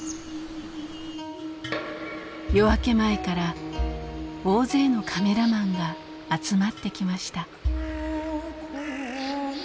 夜明け前から大勢のカメラマンが集まってきました。